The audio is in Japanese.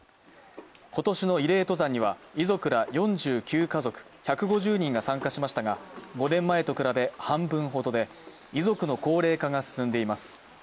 今年の慰霊登山には、遺族ら４９家族、１５０人が参加しましたが５年前と比べ、半分ほどで遺族の高齢化が進んでいます。